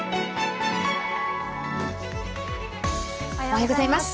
おはようございます。